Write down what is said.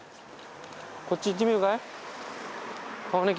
こっち行ってみるかい？